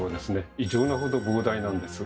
異常なほど膨大なんです。